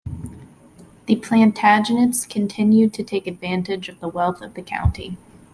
The Plantagenets continued to take advantage of the wealth of the county.